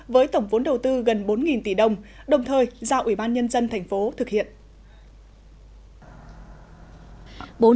với tổng vốn đầu tư gần bốn tỷ đồng đồng thời giao ủy ban nhân dân tp thực hiện